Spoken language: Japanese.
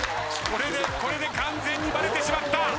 これで完全にバレてしまった。